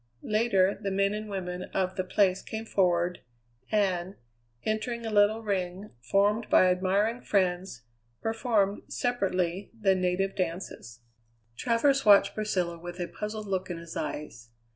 Later, the men and women of the place came forward, and, entering a little ring formed by admiring friends, performed, separately, the native dances. Travers watched Priscilla with a puzzled look in his eyes.